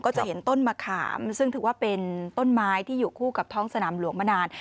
จะเห็นต้นมะขามซึ่งถือว่าเป็นต้นไม้ที่อยู่คู่กับท้องสนามหลวงมานาน